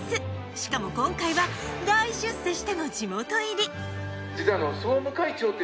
しかも今回は、大出世しての地元入り。